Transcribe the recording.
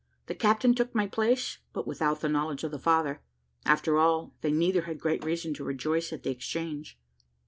The captain took my place, but without the knowledge of the father. After all, they neither had great reason to rejoice at the exchange."